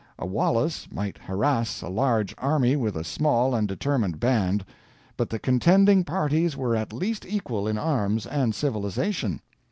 A Wallace might harass a large army with a small and determined band; but the contending parties were at least equal in arms and civilization.